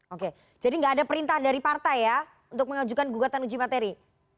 oke jadi nggak ada perintah dari partai ya untuk mengajukan gugatan uji materi